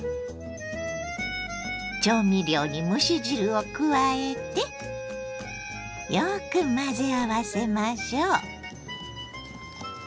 調味料に蒸し汁を加えてよく混ぜ合わせましょう。